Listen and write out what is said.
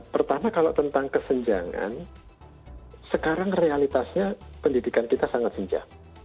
pertama kalau tentang kesenjangan sekarang realitasnya pendidikan kita sangat senjang